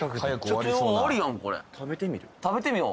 これ食べてみる？